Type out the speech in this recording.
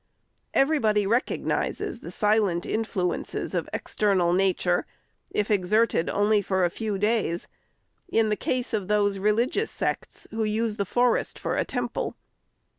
Everybody recognizes the silent influ ences of external nature, if exerted only for a few days, in the case of those religious sects who use the forest for a temple.